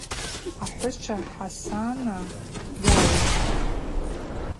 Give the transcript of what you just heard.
Ахӏвыча Хӏасана йауищттӏ.